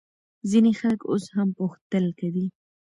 ځینې خلک اوس هم پوښتل کوي.